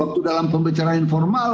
waktu dalam pembicaraan informal